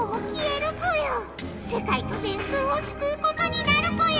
せかいと電空をすくうことになるぽよ！